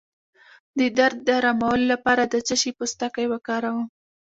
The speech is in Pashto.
د درد د ارامولو لپاره د څه شي پوستکی وکاروم؟